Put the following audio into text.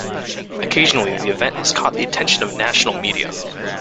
Occasionally the event has caught the attention of national media.